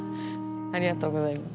ありがとうございます。